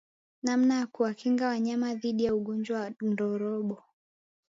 Namna ya kuwakinga wanyama dhidi ya ugonjwa wa ndorobo